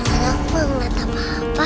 adem mengatakan apa apa